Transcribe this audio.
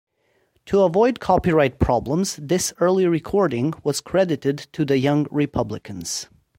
To avoid copyright problems, this early recording was credited to "The Young Republicans".